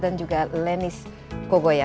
dan juga lenis kogoya